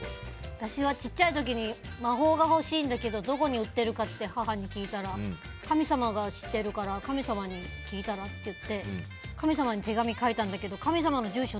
私は小さい時に魔法がほしいんだけどどこで売ってるか母に聞いたら神様が知ってるから神様に聞いたらって言って神様に手紙を書いたんだけど神様の住所